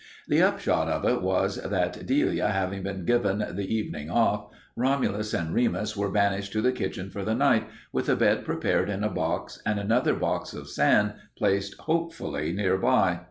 The upshot of it was that, Delia having been given the evening off, Romulus and Remus were banished to the kitchen for the night, with a bed prepared in a box and another box of sand placed hopefully near by.